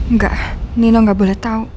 nggak nino gak boleh tau